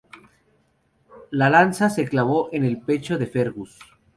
La lanza se clavó en el pecho de Fergus.